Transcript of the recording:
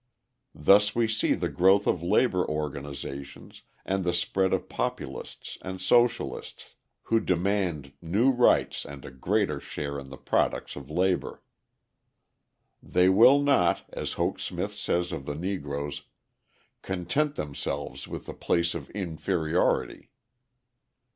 Thus we see the growth of labour organisations, and the spread of populists and socialists, who demand new rights and a greater share in the products of labour. They will not, as Hoke Smith says of the Negroes, "content themselves with the place of inferiority."